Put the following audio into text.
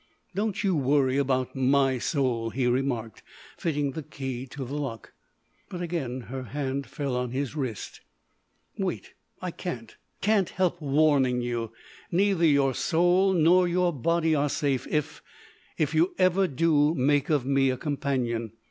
"Don't you worry about my soul," he remarked, fitting the key to the lock. But again her hand fell on his wrist: "Wait. I can't—can't help warning you. Neither your soul nor your body are safe if—if you ever do make of me a companion.